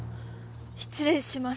失礼します